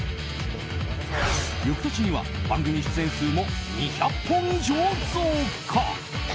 翌年には、番組出演数も２００本以上増加。